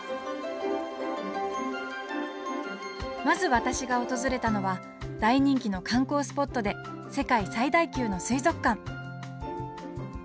まず私が訪れたのは大人気の観光スポットで世界最大級の水族館